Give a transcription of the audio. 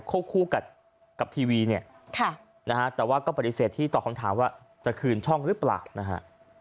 คู่กับทีวีเนี่ยนะฮะแต่ว่าก็ปฏิเสธที่ตอบคำถามว่าจะคืนช่องหรือเปล่านะฮะ